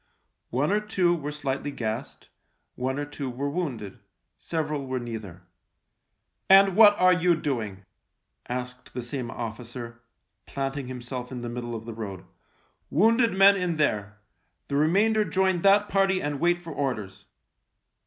One or two were slightly gassed ; one or two were wounded ; several were neither. " And what are you doing ?" asked the same officer, planting himself in the middle of the road. " Wounded men in there ! The remainder join that party and wait for orders